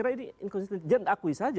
panggung depannya berbeda ya